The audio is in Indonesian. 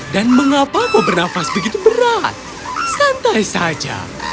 mengapa kau bernafas begitu berat santai saja